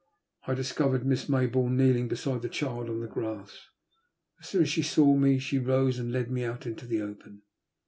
I discovered Miss Mayboarne kneeling beside the child on the grass. As soon as she saw me she rose and led me out into the open.